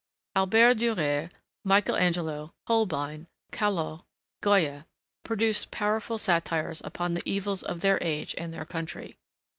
Albert Dürer, Michael Angelo, Holbein, Callot, Goya, produced powerful satires upon the evils of their age and their country.